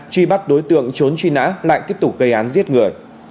truy bắt đối tượng trốn truy nã lại tiếp tục gây án giết người